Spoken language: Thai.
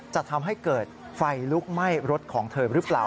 จะทำให้เกิดไฟลุกไหม้รถของเธอหรือเปล่า